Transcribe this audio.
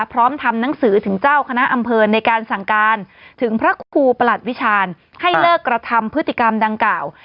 ทำหนังสือถึงเจ้าคณะอำเภอในการสั่งการถึงพระครูประหลัดวิชาญให้เลิกกระทำพฤติกรรมดังกล่าว